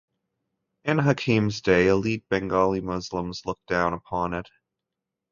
In Hakim's day, elite Bengali Muslims looked down upon it.